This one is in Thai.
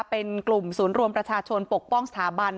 เป็นกลุ่มศูนย์รวมประชาชนปกป้องสถาบัน